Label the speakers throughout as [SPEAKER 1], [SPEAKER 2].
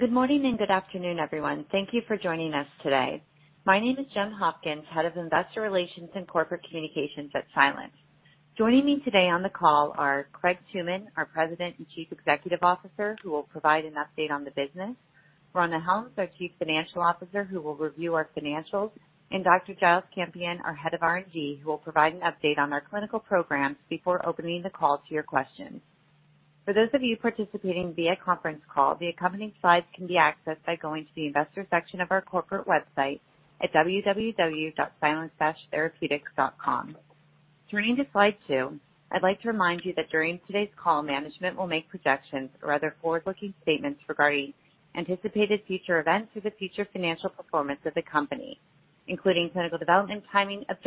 [SPEAKER 1] Good morning and good afternoon, everyone. Thank you for joining us today. My name is Gem Hopkins, Head of Investor Relations and Corporate Communications at Silence. Joining me today on the call are Craig Tooman, our President and Chief Executive Officer, who will provide an update on the business, Rhonda Hellums, our Chief Financial Officer, who will review our financials, and Dr. Giles Campion, our Head of R&D, who will provide an update on our clinical programs before opening the call to your questions. For those of you participating via conference call, the accompanying slides can be accessed by going to the investor section of our corporate website at www.silence-therapeutics.com. Turning to slide two, I'd like to remind you that during today's call management will make projections or other forward-looking statements regarding anticipated future events or the future financial performance of the company, including clinical development, timing and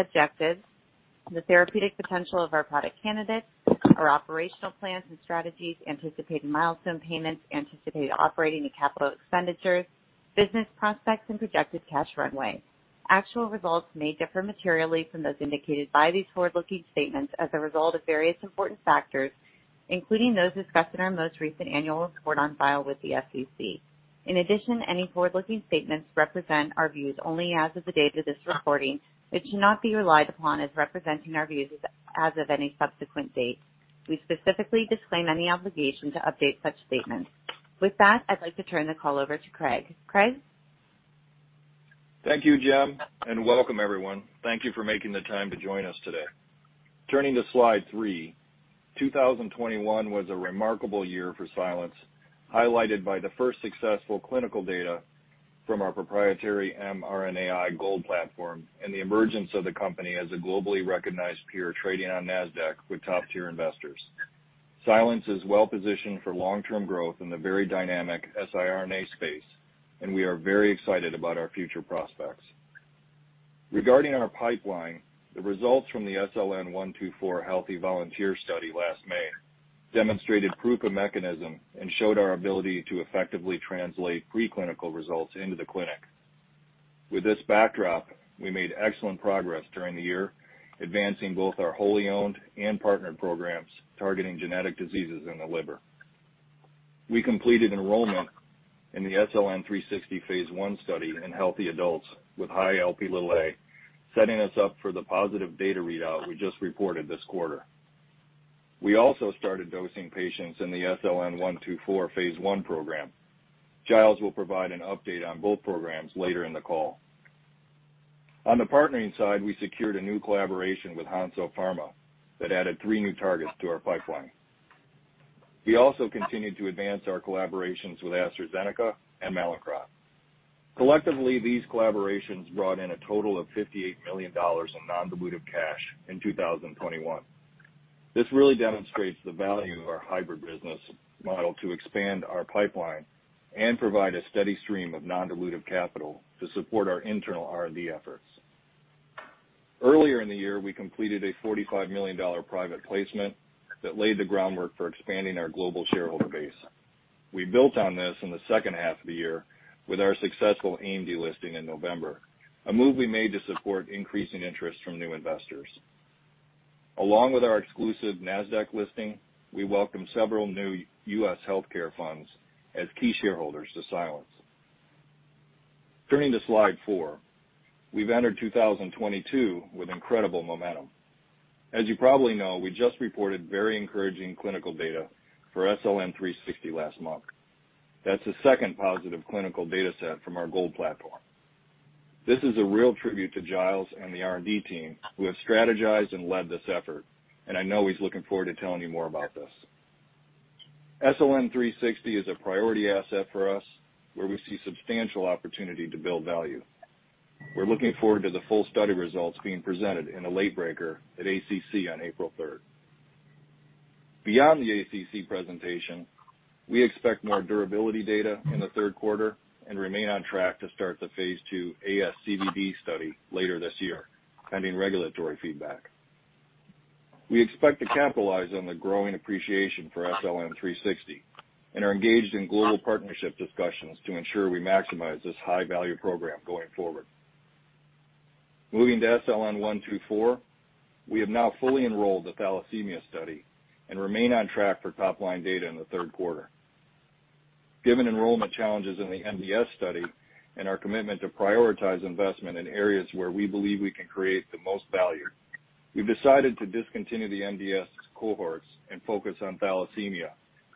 [SPEAKER 1] objectives, the therapeutic potential of our product candidates, our operational plans and strategies, anticipated milestone payments, anticipated operating and capital expenditures, business prospects, and projected cash runway. Actual results may differ materially from those indicated by these forward-looking statements as a result of various important factors, including those discussed in our most recent annual report on file with the SEC. In addition, any forward-looking statements represent our views only as of the date of this recording, but should not be relied upon as representing our views as of any subsequent date. We specifically disclaim any obligation to update such statements. With that, I'd like to turn the call over to Craig. Craig?
[SPEAKER 2] Thank you, Gem, and welcome everyone. Thank you for making the time to join us today. Turning to slide three, 2021 was a remarkable year for Silence, highlighted by the first successful clinical data from our proprietary mRNAi GOLD platform and the emergence of the company as a globally recognized peer trading on Nasdaq with top-tier investors. Silence is well-positioned for long-term growth in the very dynamic siRNA space, and we are very excited about our future prospects. Regarding our pipeline, the results from the SLN124 healthy volunteer study last May demonstrated proof of mechanism and showed our ability to effectively translate pre-clinical results into the clinic. With this backdrop, we made excellent progress during the year, advancing both our wholly owned and partnered programs targeting genetic diseases in the liver. We completed enrollment in the SLN360 phase I study in healthy adults with high Lp(a), setting us up for the positive data readout we just reported this quarter. We also started dosing patients in the SLN124 phase I program. Giles will provide an update on both programs later in the call. On the partnering side, we secured a new collaboration with Hansoh Pharma that added three new targets to our pipeline. We also continued to advance our collaborations with AstraZeneca and Mallinckrodt. Collectively, these collaborations brought in a total of $58 million in 2021. This really demonstrates the value of our hybrid business model to expand our pipeline and provide a steady stream of non-dilutive capital to support our internal R&D efforts. Earlier in the year, we completed a $45 million private placement that laid the groundwork for expanding our global shareholder base. We built on this in the second half of the year with our successful AIM de-listing in November, a move we made to support increasing interest from new investors. Along with our exclusive Nasdaq listing, we welcomed several new U.S. healthcare funds as key shareholders to Silence. Turning to slide four. We've entered 2022 with incredible momentum. As you probably know, we just reported very encouraging clinical data for SLN360 last month. That's the second positive clinical data set from our GOLD platform. This is a real tribute to Giles and the R&D team who have strategized and led this effort, and I know he's looking forward to telling you more about this. SLN360 is a priority asset for us, where we see substantial opportunity to build value. We're looking forward to the full study results being presented in a late-breaker at ACC on April third. Beyond the ACC presentation, we expect more durability data in the third quarter and remain on track to start the phase II ASCVD study later this year, pending regulatory feedback. We expect to capitalize on the growing appreciation for SLN360 and are engaged in global partnership discussions to ensure we maximize this high-value program going forward. Moving to SLN124, we have now fully enrolled the thalassemia study and remain on track for top-line data in the third quarter. Given enrollment challenges in the MDS study and our commitment to prioritize investment in areas where we believe we can create the most value, we've decided to discontinue the MDS cohorts and focus on thalassemia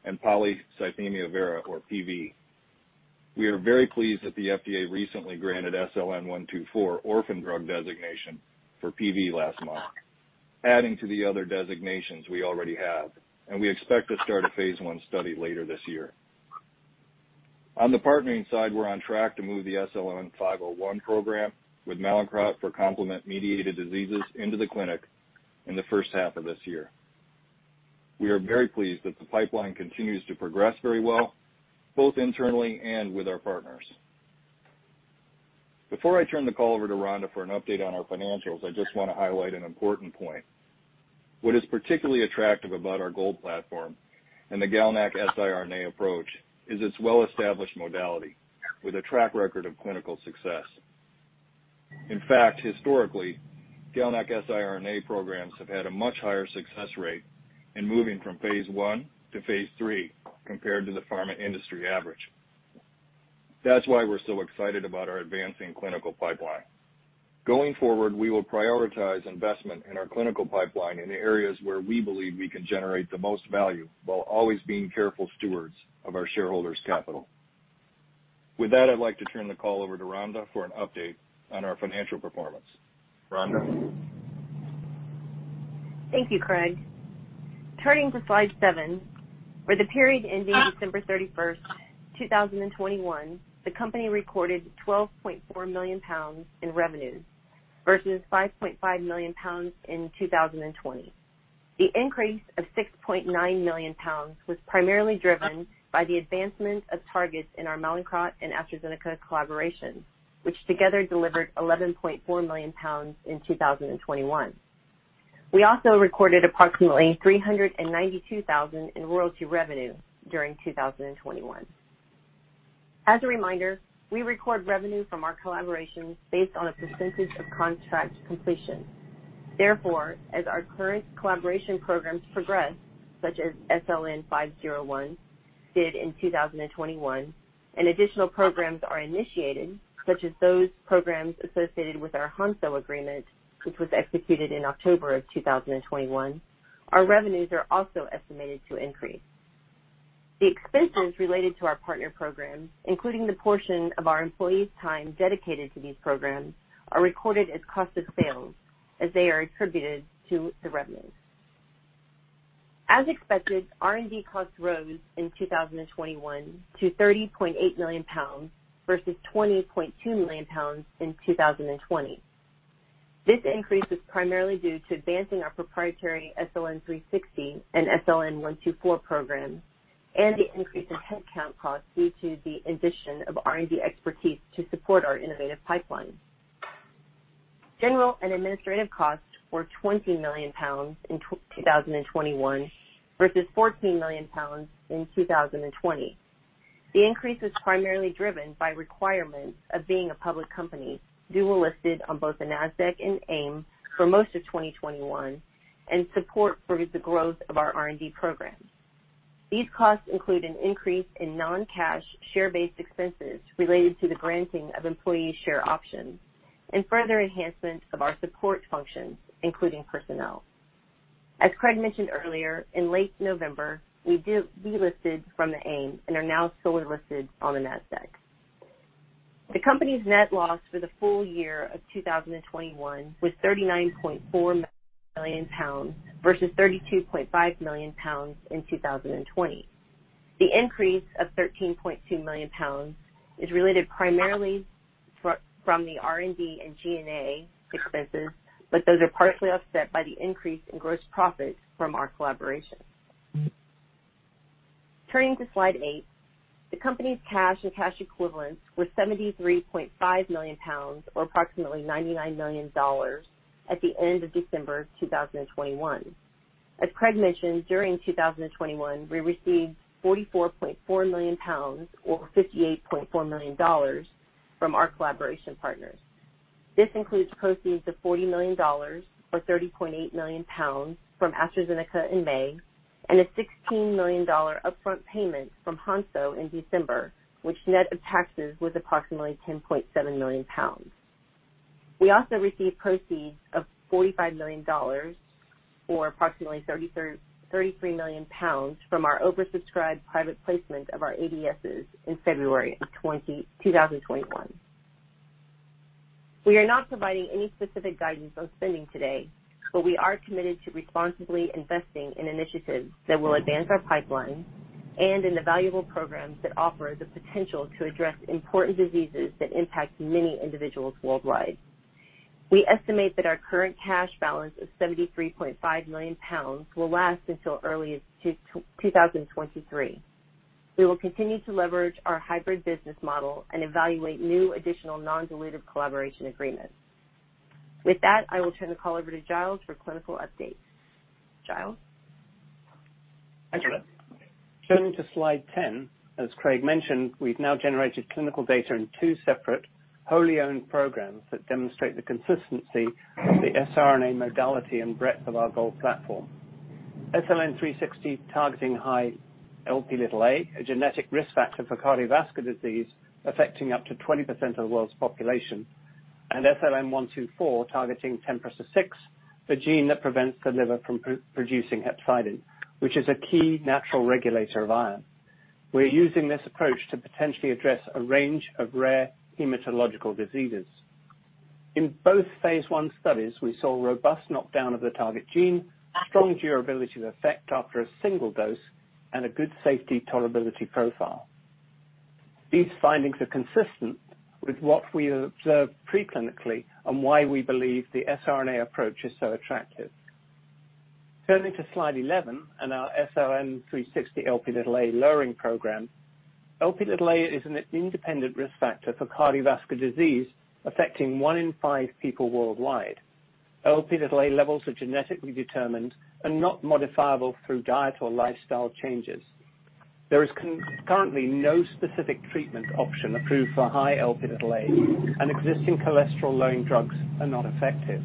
[SPEAKER 2] and polycythemia vera, or PV. We are very pleased that the FDA recently granted SLN124 Orphan Drug Designation for PV last month, adding to the other designations we already have, and we expect to start a phase I study later this year. On the partnering side, we're on track to move the SLN501 program with Mallinckrodt for complement-mediated diseases into the clinic in the first half of this year. We are very pleased that the pipeline continues to progress very well, both internally and with our partners. Before I turn the call over to Rhonda for an update on our financials, I just wanna highlight an important point. What is particularly attractive about our GOLD platform and the GalNAc siRNA approach is its well-established modality with a track record of clinical success. In fact, historically, GalNAc siRNA programs have had a much higher success rate in moving from phase I to phase III compared to the pharma industry average. That's why we're so excited about our advancing clinical pipeline. Going forward, we will prioritize investment in our clinical pipeline in the areas where we believe we can generate the most value, while always being careful stewards of our shareholders' capital. With that, I'd like to turn the call over to Rhonda for an update on our financial performance. Rhonda?
[SPEAKER 3] Thank you, Craig. Turning to slide seven. For the period ending December 31st, 2021, the company recorded 12.4 million pounds in revenues versus 5.5 million pounds in 2020. The increase of 6.9 million pounds was primarily driven by the advancement of targets in our Mallinckrodt and AstraZeneca collaboration, which together delivered 11.4 million pounds in 2021. We also recorded approximately 392,000 in royalty revenue during 2021. As a reminder, we record revenue from our collaborations based on a percentage of contract completion. Therefore, as our current collaboration programs progress, such as SLN501 did in 2021, and additional programs are initiated, such as those programs associated with our Hansoh agreement, which was executed in October 2021, our revenues are also estimated to increase. The expenses related to our partner programs, including the portion of our employees' time dedicated to these programs, are recorded as cost of sales as they are attributed to the revenues. As expected, R&D costs rose in 2021 to 30.8 million pounds versus 20.2 million pounds in 2020. This increase was primarily due to advancing our proprietary SLN360 and SLN124 programs and the increase in headcount costs due to the addition of R&D expertise to support our innovative pipeline. General and administrative costs were 20 million pounds in 2021 versus 14 million pounds in 2020. The increase was primarily driven by requirements of being a public company, dual-listed on both the Nasdaq and AIM for most of 2021, and support for the growth of our R&D programs. These costs include an increase in non-cash share-based expenses related to the granting of employee share options and further enhancement of our support functions, including personnel. As Craig mentioned earlier, in late November, we delisted from the AIM and are now solely listed on the Nasdaq. The company's net loss for the full year of 2021 was 39.4 million pounds versus 32.5 million pounds in 2020. The increase of 13.2 million pounds is related primarily from the R&D and G&A expenses, but those are partially offset by the increase in gross profit from our collaborations. Turning to slide eight. The company's cash and cash equivalents were 73.5 million pounds, or approximately $99 million, at the end of December 2021. As Craig mentioned, during 2021, we received 44.4 million pounds or $58.4 million from our collaboration partners. This includes proceeds of $40 million, or 30.8 million pounds, from AstraZeneca in May, and a $16 million upfront payment from Hansoh in December, which net of taxes was approximately 10.7 million pounds. We also received proceeds of $45 million, or approximately 33 million pounds, from our oversubscribed private placement of our ADSs in February 2021. We are not providing any specific guidance on spending today, but we are committed to responsibly investing in initiatives that will advance our pipeline and in the valuable programs that offer the potential to address important diseases that impact many individuals worldwide. We estimate that our current cash balance of 73.5 million pounds will last until early 2023. We will continue to leverage our hybrid business model and evaluate new additional non-dilutive collaboration agreements. With that, I will turn the call over to Giles for clinical updates. Giles?
[SPEAKER 4] Thank you. Turning to slide 10, as Craig mentioned, we've now generated clinical data in two separate wholly-owned programs that demonstrate the consistency of the siRNA modality and breadth of our GOLD platform. SLN360, targeting high Lp(a), a genetic risk factor for cardiovascular disease affecting up to 20% of the world's population, and SLN124, targeting TMPRSS6, the gene that prevents the liver from producing hepcidin, which is a key natural regulator of iron. We're using this approach to potentially address a range of rare hematological diseases. In both phase I studies, we saw robust knockdown of the target gene, strong durability of effect after a single dose, and a good safety tolerability profile. These findings are consistent with what we have observed pre-clinically and why we believe the siRNA approach is so attractive. Turning to slide 11 and our SLN360 Lp(a) lowering program. Lp(a) is an independent risk factor for cardiovascular disease affecting one in five people worldwide. Lp(a) levels are genetically determined and not modifiable through diet or lifestyle changes. There is currently no specific treatment option approved for high Lp(a), and existing cholesterol-lowering drugs are not effective.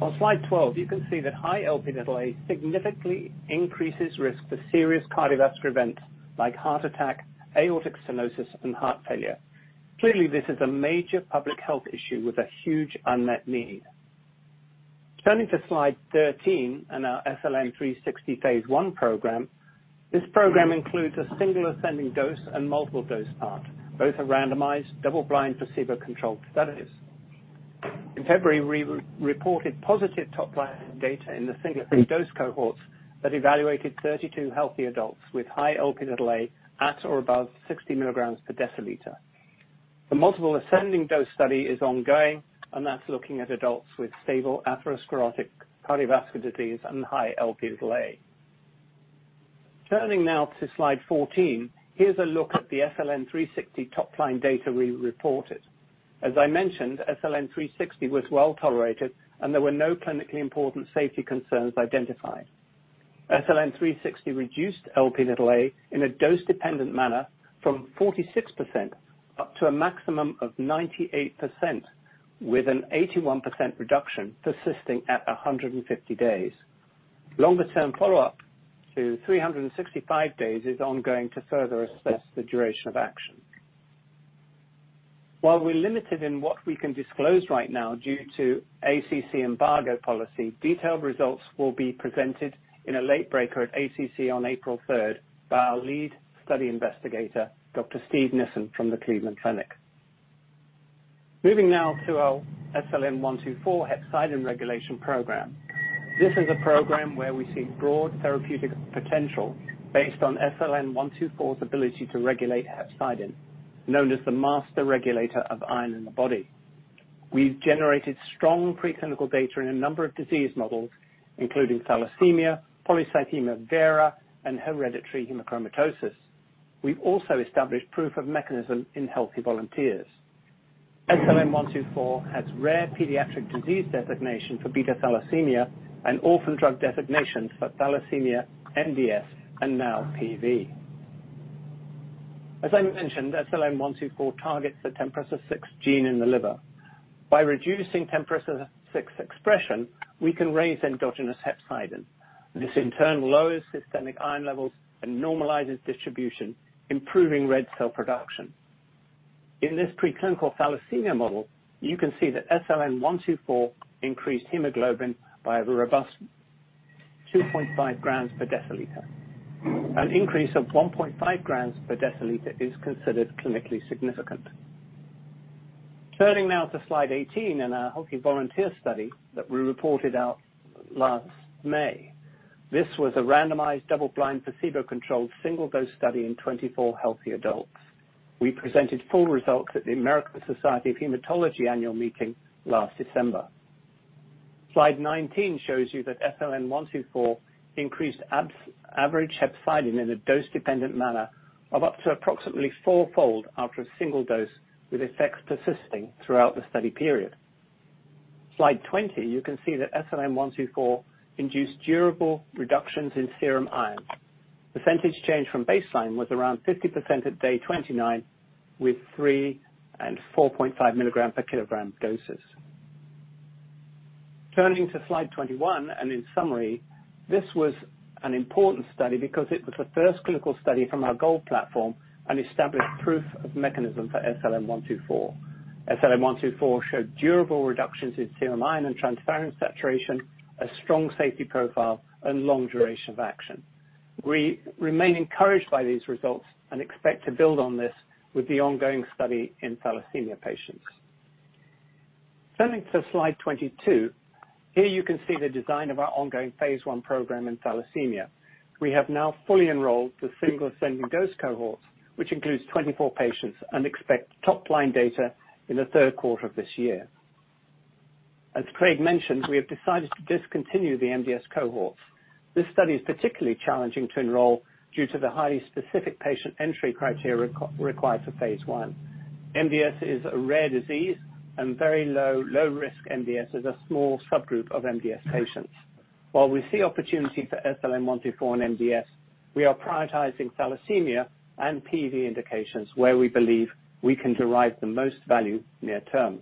[SPEAKER 4] On slide 12, you can see that high Lp(a) significantly increases risk for serious cardiovascular events like heart attack, aortic stenosis, and heart failure. Clearly, this is a major public health issue with a huge unmet need. Turning to slide 13 and our SLN360 phase I program. This program includes a single ascending dose and multiple dose part. Both are randomized, double-blind, placebo-controlled studies. In February, we reported positive top-line data in the single dose cohorts that evaluated 32 healthy adults with high Lp(a) at or above 60 mg/dL. The multiple ascending dose study is ongoing, and that's looking at adults with stable atherosclerotic cardiovascular disease and high Lp(a). Turning now to slide 14, here's a look at the SLN360 top-line data we reported. As I mentioned, SLN360 was well-tolerated and there were no clinically important safety concerns identified. SLN360 reduced Lp(a) in a dose-dependent manner from 46% up to a maximum of 98%, with an 81% reduction persisting at 150 days. Longer-term follow-up to 365 days is ongoing to further assess the duration of action. While we're limited in what we can disclose right now due to ACC embargo policy, detailed results will be presented in a late breaker at ACC on April 3rd by our lead study investigator, Dr. Steven Nissen from the Cleveland Clinic. Moving now to our SLN124 hepcidin regulation program. This is a program where we see broad therapeutic potential based on SLN124's ability to regulate hepcidin, known as the master regulator of iron in the body. We've generated strong preclinical data in a number of disease models, including thalassemia, polycythemia vera, and hereditary hemochromatosis. We've also established proof of mechanism in healthy volunteers. SLN124 has rare pediatric disease designation for beta thalassemia and orphan drug designation for thalassemia, MDS, and now PV. As I mentioned, SLN124 targets the TMPRSS6 gene in the liver. By reducing TMPRSS6 expression, we can raise endogenous hepcidin. This in turn lowers systemic iron levels and normalizes distribution, improving red cell production. In this preclinical thalassemia model, you can see that SLN124 increased hemoglobin by a robust 2.5 g/dL. An increase of 1.5 g/dL is considered clinically significant. Turning now to slide 18 in our healthy volunteer study that we reported out last May. This was a randomized, double-blind, placebo-controlled single dose study in 24 healthy adults. We presented full results at the American Society of Hematology annual meeting last December. Slide 19 shows you that SLN124 increased average hepcidin in a dose-dependent manner of up to approximately four-fold after a single dose, with effects persisting throughout the study period. Slide 20, you can see that SLN124 induced durable reductions in serum iron. Percentage change from baseline was around 50% at day 29 with 3 mg/kg and 4.5 mg/kg doses. Turning to slide 21, in summary, this was an important study because it was the first clinical study from our GOLD platform and established proof of mechanism for SLN124. SLN124 showed durable reductions in serum iron and transferrin saturation, a strong safety profile, and long duration of action. We remain encouraged by these results and expect to build on this with the ongoing study in thalassemia patients. Turning to slide 22. Here you can see the design of our ongoing phase I program in thalassemia. We have now fully enrolled the single ascending dose cohort, which includes 24 patients and expect top-line data in the third quarter of this year. As Craig mentioned, we have decided to discontinue the MDS cohort. This study is particularly challenging to enroll due to the highly specific patient entry criteria required for phase I. MDS is a rare disease and very low-risk MDS is a small subgroup of MDS patients. While we see opportunity for SLN124 in MDS, we are prioritizing thalassemia and PV indications where we believe we can derive the most value near term.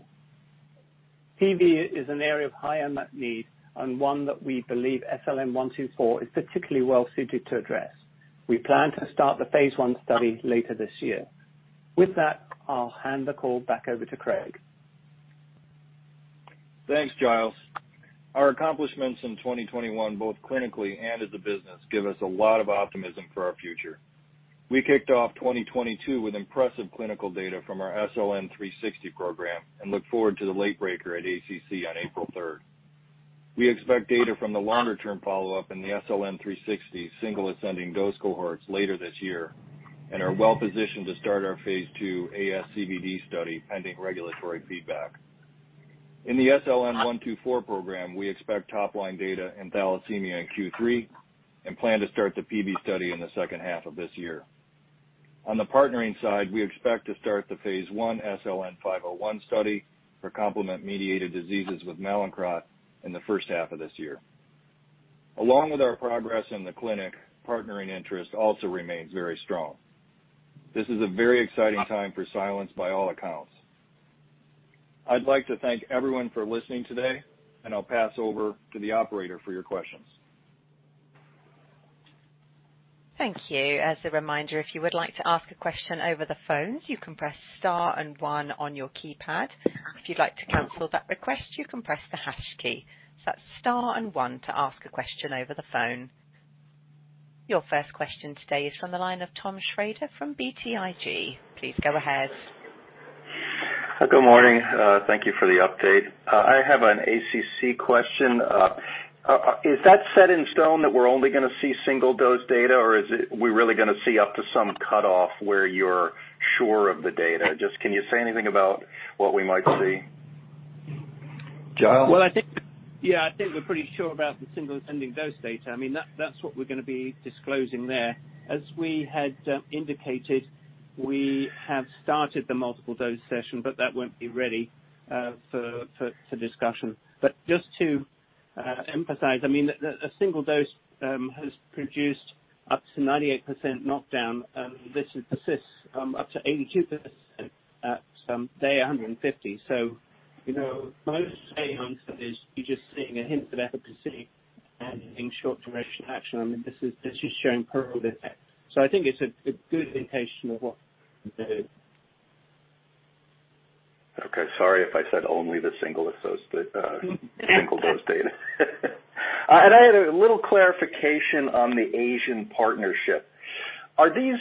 [SPEAKER 4] PV is an area of high unmet need, and one that we believe SLN124 is particularly well-suited to address. We plan to start the phase I study later this year. With that, I'll hand the call back over to Craig.
[SPEAKER 2] Thanks, Giles. Our accomplishments in 2021, both clinically and as a business, give us a lot of optimism for our future. We kicked off 2022 with impressive clinical data from our SLN360 program, and look forward to the late breaker at ACC on April 3rd. We expect data from the longer-term follow-up in the SLN360 single ascending dose cohorts later this year, and are well-positioned to start our phase II ASCVD study, pending regulatory feedback. In the SLN124 program, we expect top-line data in thalassemia in Q3 and plan to start the PV study in the second half of this year. On the partnering side, we expect to start the phase I SLN501 study for complement mediated diseases with Mallinckrodt in the first half of this year. Along with our progress in the clinic, partnering interest also remains very strong. This is a very exciting time for Silence by all accounts. I'd like to thank everyone for listening today, and I'll pass over to the operator for your questions.
[SPEAKER 5] Thank you. As a reminder, if you would like to ask a question over the phone, you can press star and one on your keypad. If you'd like to cancel that request, you can press the hash key. That's star and one to ask a question over the phone. Your first question today is from the line of Thomas Shrader from BTIG. Please go ahead.
[SPEAKER 6] Good morning. Thank you for the update. I have an ACC question. Is that set in stone that we're only gonna see single-dose data, or is it we're really gonna see up to some cutoff where you're sure of the data? Just can you say anything about what we might see?
[SPEAKER 2] Giles?
[SPEAKER 4] I think we're pretty sure about the single ascending dose data. I mean, that's what we're gonna be disclosing there. As we had indicated, we have started the multiple dose session, but that won't be ready for discussion. But just to emphasize, I mean, a single dose has produced up to 98% knockdown. This persists up to 82% at day 150. You know, most
[SPEAKER 6] Okay. Sorry if I said only the single ascending dose data. I had a little clarification on the Asian partnership. Are these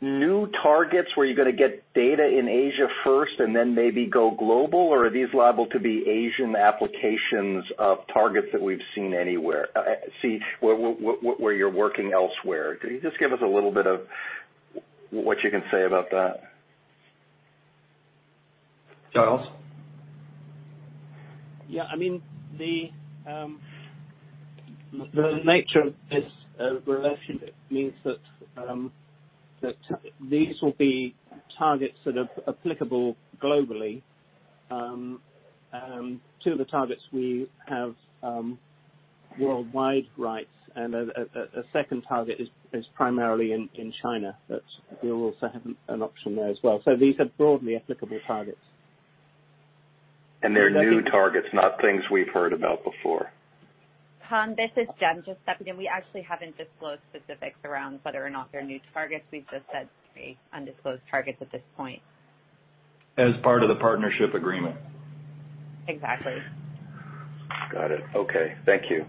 [SPEAKER 6] new targets where you're gonna get data in Asia first and then maybe go global? Or are these liable to be Asian applications of targets that we've seen anywhere, see where you're working elsewhere? Can you just give us a little bit of what you can say about that?
[SPEAKER 2] Giles?
[SPEAKER 4] Yeah, I mean, the nature of this relationship means that these will be targets that are applicable globally. Two of the targets we have worldwide rights and a second target is primarily in China, but we also have an option there as well. These are broadly applicable targets.
[SPEAKER 6] They're new targets, not things we've heard about before.
[SPEAKER 1] Tom, this is Gem, just stepping in. We actually haven't disclosed specifics around whether or not they're new targets. We've just said they're undisclosed targets at this point.
[SPEAKER 6] As part of the partnership agreement.
[SPEAKER 1] Exactly.
[SPEAKER 6] Got it. Okay. Thank you.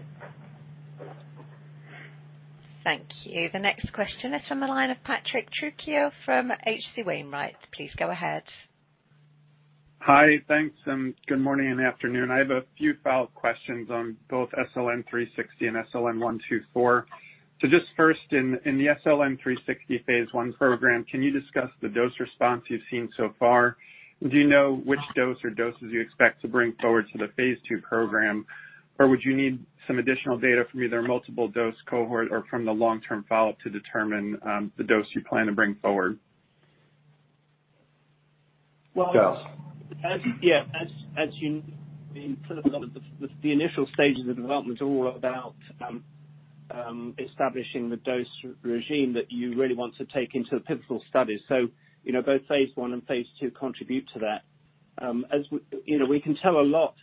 [SPEAKER 5] Thank you. The next question is from the line of Patrick Trucchio from H.C. Wainwright. Please go ahead.
[SPEAKER 7] Hi. Thanks, and good morning and afternoon. I have a few follow-up questions on both SLN-360 and SLN-124. Just first in the SLN-360 phase I program, can you discuss the dose response you've seen so far? Do you know which dose or doses you expect to bring forward to the phase II program? Or would you need some additional data from either a multiple dose cohort or from the long-term follow-up to determine the dose you plan to bring forward?
[SPEAKER 2] Giles.
[SPEAKER 4] The initial stages of development are all about establishing the dose regime that you really want to take into the pivotal study. You know, both phase I and phase II contribute to that. As we, you know, we can tell a lot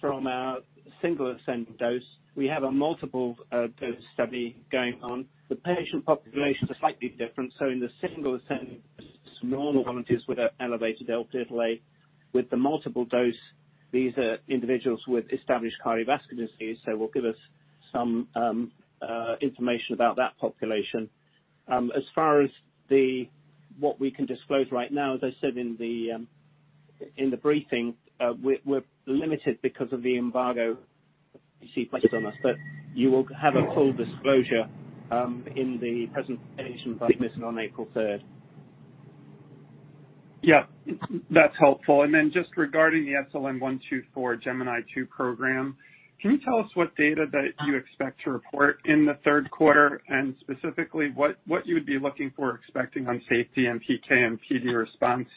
[SPEAKER 4] from our single ascending dose. We have a multiple dose study going on. The patient populations are slightly different, so in the single ascending, normal volunteers with elevated LDL-C. With the multiple dose, these are individuals with established cardiovascular disease, so will give us some information about that population. As far as what we can disclose right now, as I said in the briefing, we're limited because of the embargo placed on us, but you will have a full disclosure in the presentation we're giving on April third.
[SPEAKER 7] Yeah, that's helpful. Just regarding the SLN124 GEMINI II program, can you tell us what data that you expect to report in the third quarter and specifically what you would be looking for expecting on safety and PK/PD response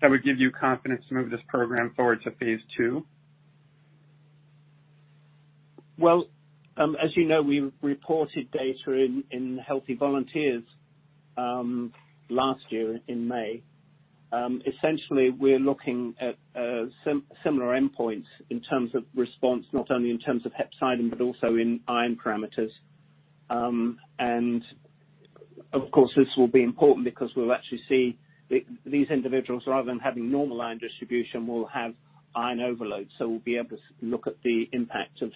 [SPEAKER 7] that would give you confidence to move this program forward to phase II?
[SPEAKER 4] Well, as you know, we reported data in healthy volunteers last year in May. Essentially, we're looking at similar endpoints in terms of response, not only in terms of hepcidin but also in iron parameters. Of course, this will be important because we'll actually see these individuals, rather than having normal iron distribution, will have iron overload. We'll be able to look at the impact of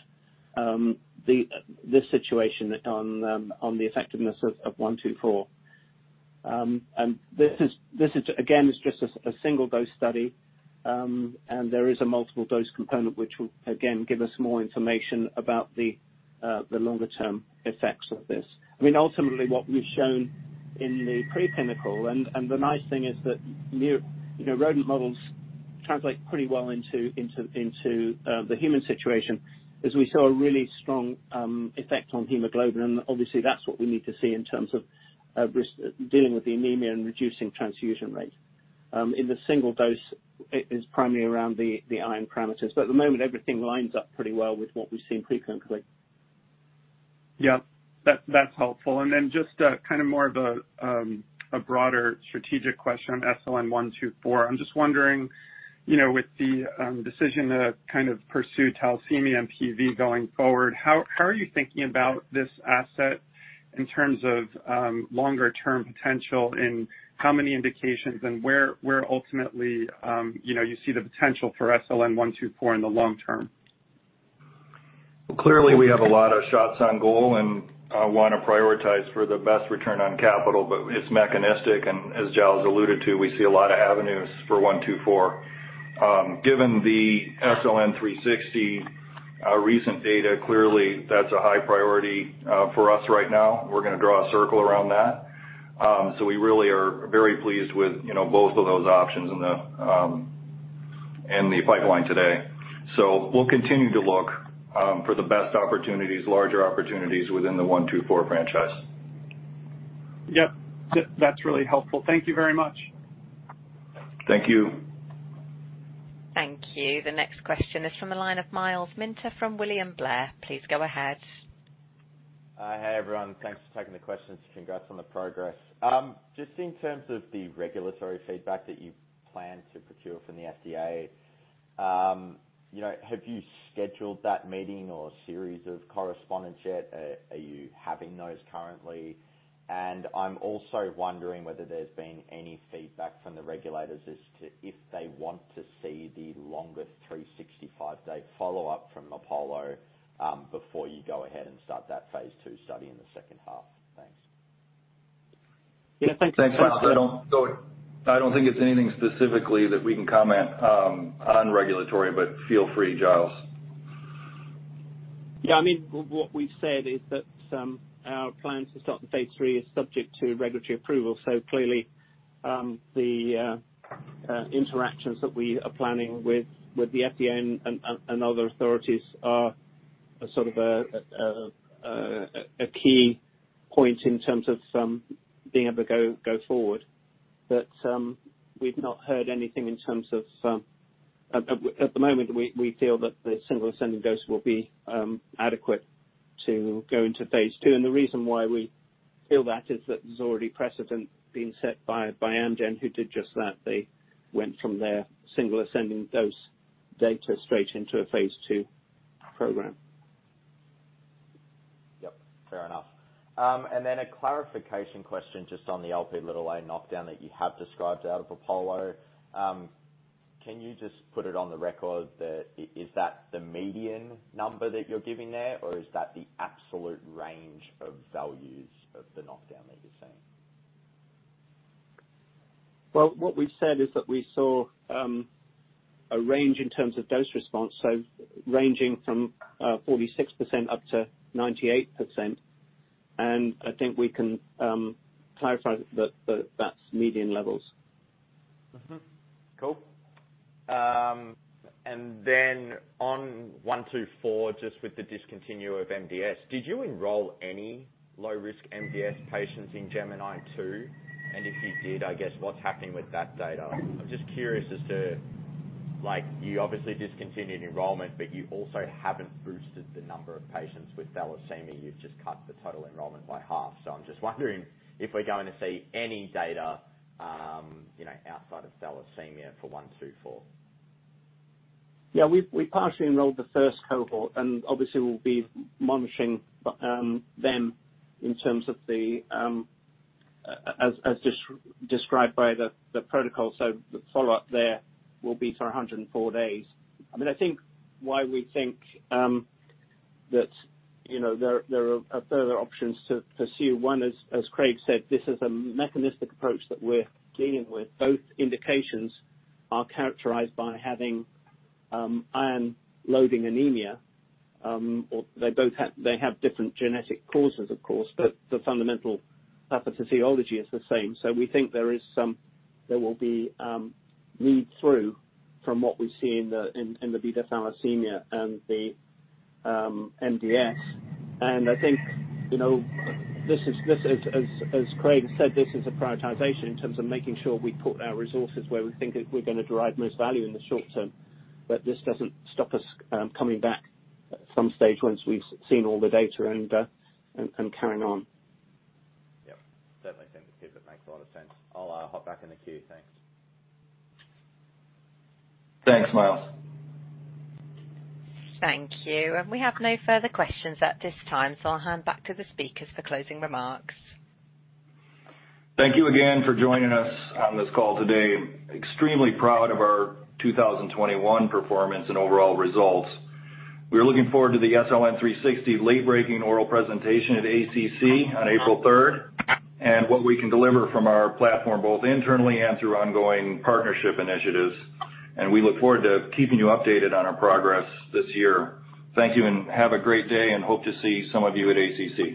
[SPEAKER 4] this situation on the effectiveness of SLN124. This is again just a single dose study, and there is a multiple dose component which will again give us more information about the longer term effects of this. I mean, ultimately what we've shown in the preclinical and the nice thing is that new, you know, rodent models translate pretty well into the human situation as we saw a really strong effect on hemoglobin. Obviously, that's what we need to see in terms of risks dealing with the anemia and reducing transfusion rate. In the single dose it is primarily around the iron parameters. At the moment, everything lines up pretty well with what we've seen preclinically.
[SPEAKER 7] Yeah. That's helpful. Then just kind of more of a broader strategic question on SLN124. I'm just wondering, you know, with the decision to kind of pursue thalassemia and PV going forward, how are you thinking about this asset in terms of longer term potential and how many indications and where ultimately, you know, you see the potential for SLN124 in the long term?
[SPEAKER 2] Clearly, we have a lot of shots on goal, and wanna prioritize for the best return on capital, but it's mechanistic. As Giles alluded to, we see a lot of avenues for SLN124. Given the SLN360 recent data, clearly that's a high priority for us right now. We're gonna draw a circle around that. So we really are very pleased with, you know, both of those options in the pipeline today. We'll continue to look for the best opportunities, larger opportunities within the SLN124 franchise.
[SPEAKER 7] Yep. That, that's really helpful. Thank you very much.
[SPEAKER 2] Thank you.
[SPEAKER 5] Thank you. The next question is from the line of Myles Minter from William Blair. Please go ahead.
[SPEAKER 8] Hi, everyone. Thanks for taking the questions. Congrats on the progress. Just in terms of the regulatory feedback that you plan to procure from the FDA, you know, have you scheduled that meeting or series of correspondence yet? Are you having those currently? I'm also wondering whether there's been any feedback from the regulators as to if they want to see the longer 365-day follow-up from APOLLO, before you go ahead and start that phase II study in the second half? Thanks.
[SPEAKER 4] Yeah, thanks, Myles.
[SPEAKER 2] Thanks, Myles. I don't think it's anything specifically that we can comment on regulatory, but feel free, Giles.
[SPEAKER 4] Yeah, I mean, what we've said is that our plan to start the phase III is subject to regulatory approval. Clearly, the interactions that we are planning with the FDA and other authorities are sort of a key point in terms of being able to go forward. We've not heard anything in terms of but at the moment, we feel that the single ascending dose will be adequate to go into phase II. The reason why we feel that is that there's already precedent being set by Amgen who did just that. They went from their single ascending dose data straight into a phase II program.
[SPEAKER 8] Yep, fair enough. A clarification question just on the Lp knockdown that you have described out of APOLLO. Can you just put it on the record that, is that the median number that you're giving there, or is that the absolute range of values of the knockdown that you're seeing?
[SPEAKER 4] Well, what we've said is that we saw a range in terms of dose response, so ranging from 46% up to 98%. I think we can clarify that that's median levels.
[SPEAKER 8] Mm-hmm. Cool. On SLN124, just with the discontinue of MDS, did you enroll any low-risk MDS patients in GEMINI II? And if you did, I guess, what's happening with that data? I'm just curious as to, like, you obviously discontinued enrollment, but you also haven't boosted the number of patients with thalassemia. You've just cut the total enrollment by half. I'm just wondering if we're going to see any data, you know, outside of thalassemia for SLN124?
[SPEAKER 4] Yeah, we partially enrolled the first cohort, and obviously we'll be monitoring them in terms of the as described by the protocol. The follow-up there will be for 104 days. I mean, I think we think that you know there are further options to pursue. One is, as Craig said, this is a mechanistic approach that we're dealing with. Both indications are characterized by having iron-loading anemia, or they both have different genetic causes, of course, but the fundamental pathophysiology is the same. We think there is some read-through from what we see in the beta thalassemia and the MDS. I think, you know, this is, as Craig said, this is a prioritization in terms of making sure we put our resources where we think we're gonna derive most value in the short term. This doesn't stop us coming back at some stage once we've seen all the data and carrying on.
[SPEAKER 8] Yep. Certainly seems to be. That makes a lot of sense. I'll hop back in the queue. Thanks.
[SPEAKER 2] Thanks, Myles.
[SPEAKER 5] Thank you. We have no further questions at this time, so I'll hand back to the speakers for closing remarks.
[SPEAKER 2] Thank you again for joining us on this call today. Extremely proud of our 2021 performance and overall results. We are looking forward to the SLN360 late-breaking oral presentation at ACC on April 3rd, and what we can deliver from our platform, both internally and through ongoing partnership initiatives. We look forward to keeping you updated on our progress this year. Thank you and have a great day, and hope to see some of you at ACC.